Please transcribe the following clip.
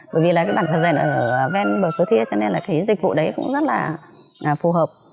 bởi vì là cái bản sà rèn ở ven bờ sứa thia cho nên là cái dịch vụ đấy cũng rất là phù hợp